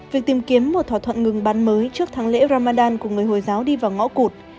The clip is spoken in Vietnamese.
việc tìm kiếm một thỏa thuận ngừng bắn mới trước tháng lễ ramadan của người hồi giáo đi vào ngõ cụt